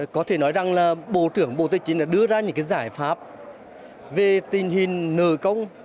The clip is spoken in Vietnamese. có thể nói rằng là bộ trưởng bộ tài chính đã đưa ra những giải pháp về tình hình nợ công